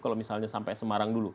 kalau misalnya sampai semarang dulu